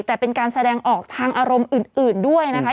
แต่เป็นการแสดงออกทางอารมณ์อื่นด้วยนะคะ